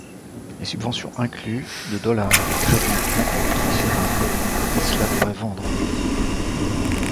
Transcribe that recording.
Les subventions incluent de dollars de crédits d'impôts transférables, que Tesla pourrait vendre.